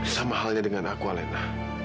sama halnya dengan aku alena